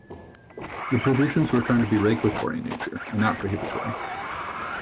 The provisions were found to be regulatory in nature and not prohibitory.